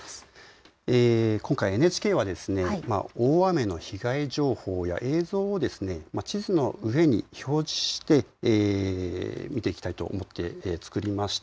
今回、ＮＨＫは大雨の被害情報や映像を地図の上に表示して見ていきたいと思って作りました。